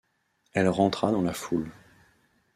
Elle rentra dans la foule.